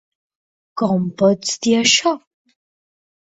Com pots dir això?